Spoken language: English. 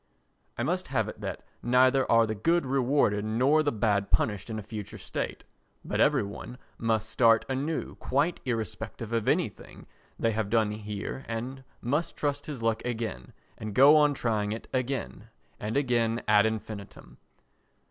I must have it that neither are the good rewarded nor the bad punished in a future state, but every one must start anew quite irrespective of anything they have done here and must try his luck again and go on trying it again and again ad infinitum.